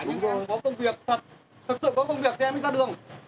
nhưng em có công việc thật thật sự có công việc thì em đi ra đường